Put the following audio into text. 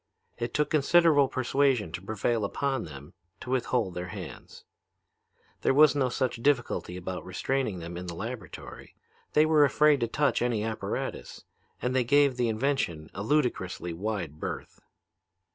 It took considerable persuasion to prevail upon them to withhold their hands. There was no such difficulty about restraining them in the laboratory. They were afraid to touch any apparatus, and they gave the invention a ludicrously wide berth.